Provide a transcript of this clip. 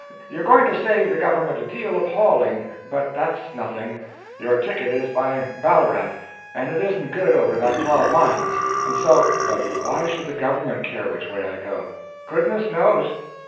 You're going to save the government a deal of hauling, but that's nothing; your ticket is by Ballarat, and it isn't good over that twelve miles, and so " "But why should the government care which way I go?" "Goodness knows!